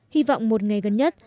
hy vọng một ngày gần nhất